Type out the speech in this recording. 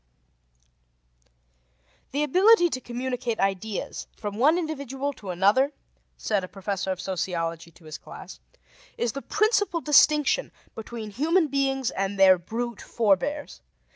D.) "The ability to communicate ideas from one individual to another," said a professor of sociology to his class, "is the principal distinction between human beings and their brute forbears.